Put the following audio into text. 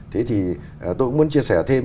thế thì tôi cũng muốn chia sẻ thêm